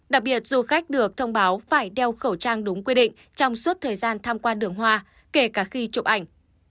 đặc biệt du khách được thông báo phải đeo khẩu trang đúng quy định trong suốt thời gian tham quan đường hoa kể cả khi chụp ảnh